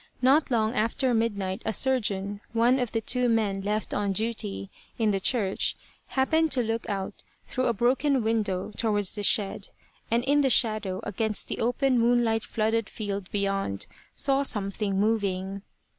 Not long after midnight a surgeon, one of the two men left on duty in the church, happened to look out through a broken window towards the shed, and in the shadow, against the open moonlight flooded field beyond, saw something moving.